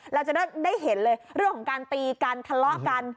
เราจะได้เห็นเลยเรื่องของการตีกันทะเลาะกัน